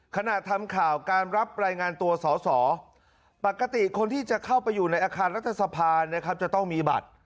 ขณะทำข่าวการรับรายงานตัวสอสอปกติคนที่จะเข้าไปอยู่ในอาคารรัฐสภานะครับจะต้องมีบัตร